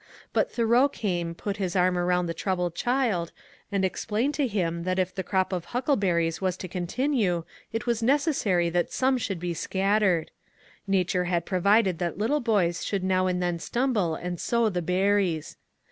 But Thoreau came, put his arm around the troubled child, and explained to him that if the crop of huckleberries was to continue it was necessary that some should be scattered. Nature had provided that little boys should now and then stumble and sow the berries.